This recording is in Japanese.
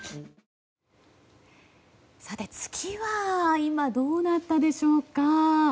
さて、月は今どうなったでしょうか。